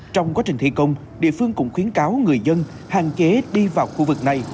trong quá trình thi công địa phương cũng khuyến cáo người dân hạn chế đi vào khu vực này